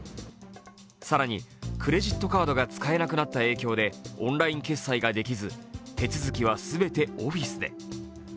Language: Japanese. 更にクレジットカードが使えなくなった影響でオンライン決済ができず手続きは全てオフィスで。